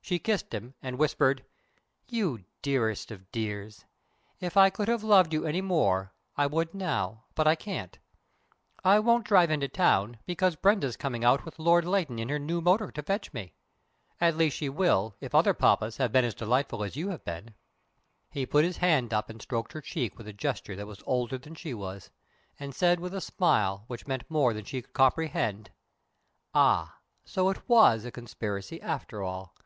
She kissed him, and whispered: "You dearest of dears! If I could have loved you any more, I would now, but I can't. I won't drive into town, because Brenda's coming out with Lord Leighton in her new motor to fetch me; at least, she will, if other papas have been as delightful as you have been." He put his hand up and stroked her cheek with a gesture that was older than she was, and said with a smile which meant more than she could comprehend: "Ah! so it was a conspiracy, after all!